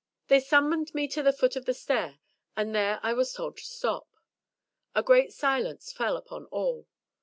They summoned me to the foot of the stair, and there I was told to stop. A great silence fell upon all.